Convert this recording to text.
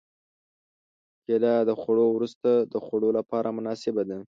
کېله د خوړو وروسته د خوړلو لپاره مناسبه ده.